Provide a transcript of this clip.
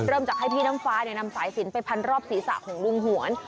จากให้พี่น้ำฟ้านำสายสินไปพันรอบศีรษะของลุงหวน